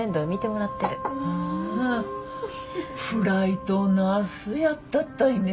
フライトナースやったったいね。